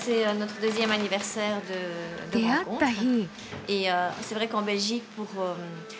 出会った日。